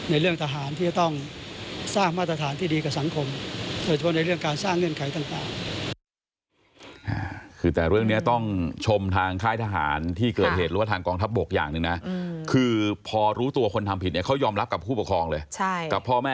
ในเรื่องทหารที่จะต้องสร้างมาตรฐานที่ดีกับสังคม